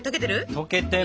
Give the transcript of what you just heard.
溶けてる？